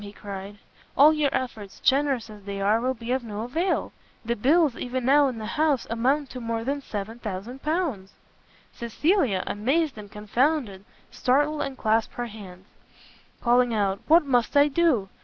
he cried, "all your efforts, generous as they are, will be of no avail! the bills even now in the house amount to more than L7000!" Cecilia, amazed and confounded, started and clasped her hands, calling out, "What must I do!